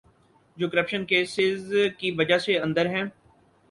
جو corruption cases کی وجہ سے اندر ہیں۔